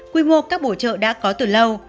quy mô các bổ trợ đã có từ lâu